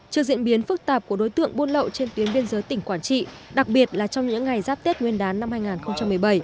trước diễn biến phức tạp của đối tượng buôn lậu trên tuyến biên giới tỉnh quảng trị đặc biệt là trong những ngày giáp tết nguyên đán năm hai nghìn một mươi bảy